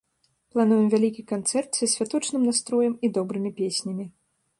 Плануем вялікі канцэрт са святочным настроем і добрымі песнямі.